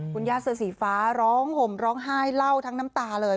คุณย่าเสื้อสีฟ้าร้องห่มร้องไห้เล่าทั้งน้ำตาเลย